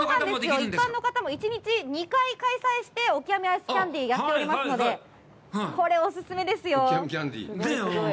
一般の方も、１日２回開催して、オキアミアイスキャンデーをやっておりますので、これ、お勧めですよ。